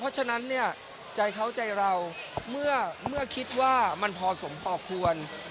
ใจเขาใจเรามือคิดว่ามันพอสมพอควร